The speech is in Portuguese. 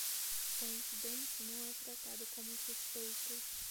O incidente não é tratado como suspeito.